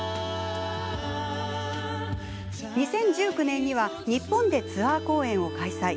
２０１９年には日本でツアー公演を開催。